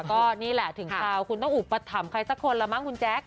ก็นี่แหละถึงคราวคุณต้องอุปถัมภ์ใครสักคนละมั้งคุณแจ๊ค